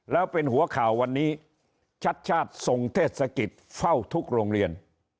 แล้วเป็นหัวข่าววันนี้ชัดชาติทรงเทศกิจเฝ้าทุกโรงเรียน